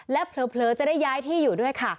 และเผลอจะได้ย้ายที่อยู่ด้วยค่ะ